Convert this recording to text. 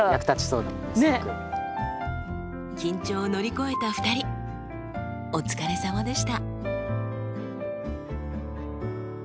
緊張を乗り越えた２人お疲れさまでした。